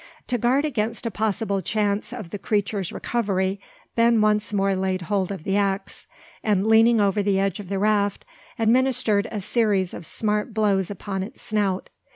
To guard against a possible chance of the creature's recovery, Ben once more laid hold of the axe; and, leaning over the edge of the raft, administered a series of smart blows upon its snout.